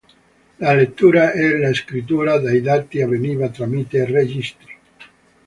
La lettura e la scrittura dei dati avveniva tramite registri.